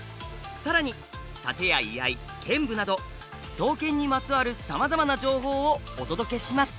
さらに殺陣や居合剣舞など刀剣にまつわるさまざまな情報をお届けします！